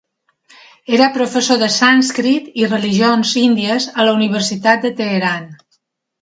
Era professor de sànscrit i religions índies a la Universitat de Teheran.